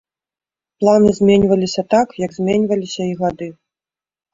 Планы зменьваліся так, як зменьваліся і гады.